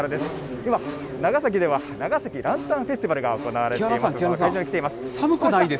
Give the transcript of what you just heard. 今、長崎では、長崎ランタンフェスティバルが行われています。